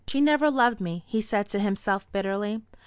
"She never loved me," he said to himself bitterly.